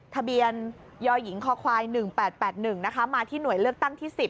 ทะเบียนยหญิงคอควาย๑๘๘๑มาที่หน่วยเลือกตั้งที่๑๐